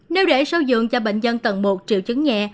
nếu để sâu giường cho bệnh nhân tầng một triệu chứng nhẹ